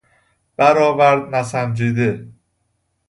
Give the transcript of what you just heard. برآورد نسنجیده